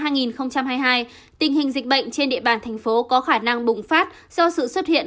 tình hình dịch bệnh trên địa bàn tp hcm có khả năng bùng phát do sự xuất hiện